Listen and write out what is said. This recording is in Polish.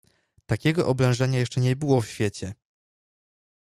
"Takiego oblężenia jeszcze nie było w świecie!"